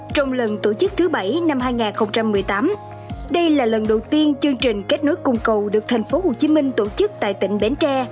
trong lần tổ chức thứ bảy năm hai nghìn một mươi tám đây là lần đầu tiên chương trình kết nối cung cầu được thành phố hồ chí minh tổ chức tại tỉnh bến tre